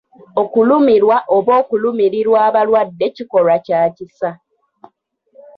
Okulumirwa oba okulumirirwa abalwadde kikolwa kya kisa.